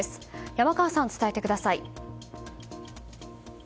山川さん、伝えてください。